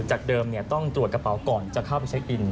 เดิมต้องตรวจกระเป๋าก่อนจะเข้าไปเช็คอิน